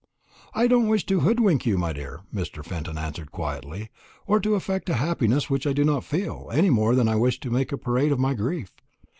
"I don't wish to hoodwink you, my dear," Mr. Fenton answered quietly, "or to affect a happiness which I do not feel, any more than I wish to make a parade of my grief.